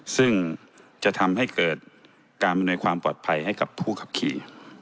ซึ่งจะทำให้เกิดการอำนวยความปลอดภัยให้กับผู้ขับขี่